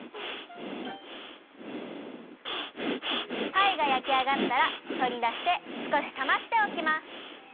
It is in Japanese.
パイがやきあがったらとりだしてすこしさましておきます。